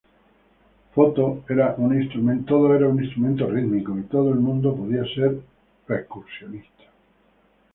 Todo era un instrumento rítmico y todo el mundo podía ser percusionista.